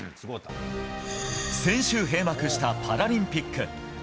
先週閉幕したパラリンピック。